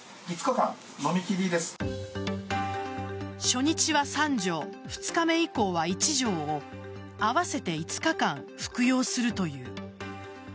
初日は３錠２日目以降は１錠を合わせて５日間服用するという。